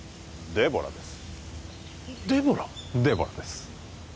デボラです